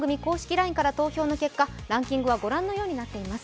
ＬＩＮＥから投票の結果ランキングはご覧のようになっています。